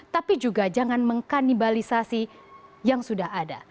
tapi juga jangan mengkanibalisasi yang sudah ada